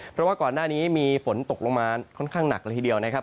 เพราะว่าก่อนหน้านี้มีฝนตกลงมาค่อนข้างหนักเลยทีเดียวนะครับ